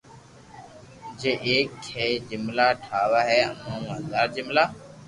جي ايڪ ھي جملا ٺاوا اي مون ٻو ھزار جملا